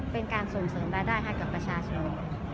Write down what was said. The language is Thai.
เป็นการส่งเสริมรายได้ให้กับประชาชน